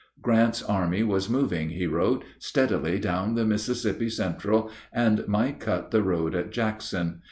Grant's army was moving, he wrote, steadily down the Mississippi Central, and might cut the road at Jackson.